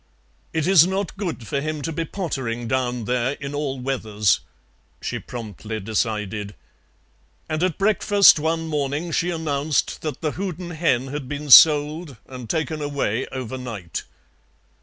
"It is not good for him to be pottering down there in all weathers," she promptly decided, and at breakfast one morning she announced that the Houdan hen had been sold and taken away overnight.